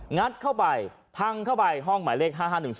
งัดเข้าไปพังเข้าไปห้องหมายเลข๕๕๑๒